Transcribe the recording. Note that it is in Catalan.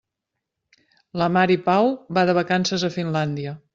La Mari Pau va de vacances a Finlàndia.